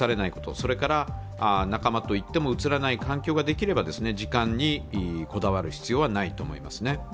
それから仲間と行ってもうつらない環境ができれば、時間にこだわる必要はないと思いますね。